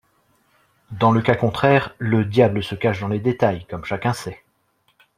Dans le cas contraire, le diable se cache dans les détails, comme chacun sait.